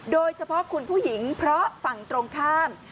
โดยเฉพาะคุณผู้หญิงเพราะฝั่งตรงข้าม